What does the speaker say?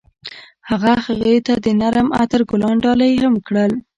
هغه هغې ته د نرم عطر ګلان ډالۍ هم کړل.